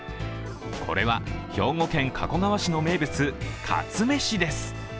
これは兵庫県加古川市の名物かつめしです。